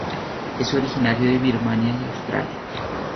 Es originario de Birmania y Australia.